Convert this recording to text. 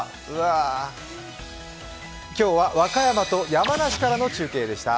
今日は和歌山と山梨からの中継でした。